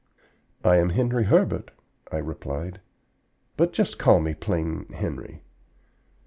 "I am Henry Herbert," I replied; "but just call me plain Henry."